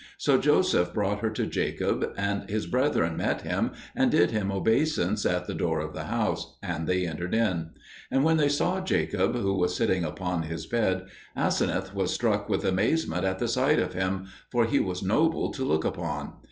So Joseph brought her to Jacob, and his brethren met him and did him obeisance at the door of the house, and they entered in. And when they saw Jacob, who was sitting upon his bed, Aseneth was struck with amazement at the sight of him, for he was noble to look upon.